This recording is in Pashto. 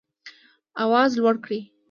آواز لوړ کړئ